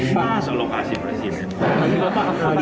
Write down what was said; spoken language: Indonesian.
masa lokasi presiden